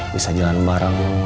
bisa jalan bareng